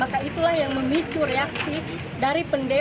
maka itulah yang memicu reaksi dari pendemo